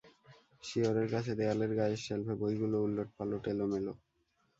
শিয়রের কাছে দেয়ালের গায়ের শেলফে বইগুলো উলটপালট এলোমেলো।